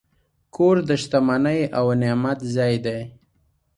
کور د شتمنۍ او نعمت ځای دی.